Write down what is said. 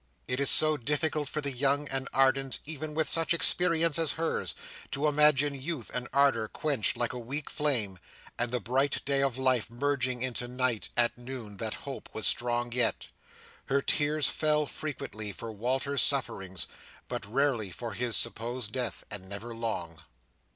It is so difficult for the young and ardent, even with such experience as hers, to imagine youth and ardour quenched like a weak flame, and the bright day of life merging into night, at noon, that hope was strong yet. Her tears fell frequently for Walter's sufferings; but rarely for his supposed death, and never long.